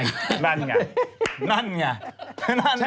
เปล่าเปล่าเปล่า